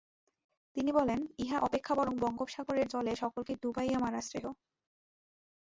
তিনি বলেন, ইহা অপেক্ষা বরং বঙ্গোপসাগরের জলে সকলকে ডুবাইয়া মারা শ্রেয়ঃ।